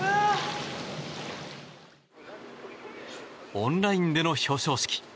オンラインでの表彰式。